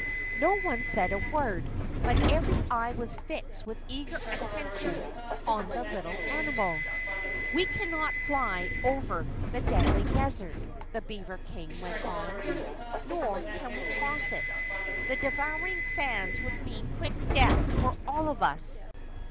No one said a word, but every eye was fixed with eager attention on the little animal. "We cannot fly over the Deadly Desert," the beaver King went on. "Nor can we cross it the devouring sands would mean quick death for all of us."